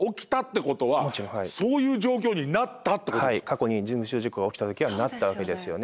過去に群集事故が起きた時はなったわけですよね。